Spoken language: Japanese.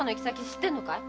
知ってんのかい？